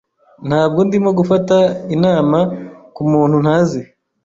Ntabwo ndimo gufata inama kumuntu ntazi.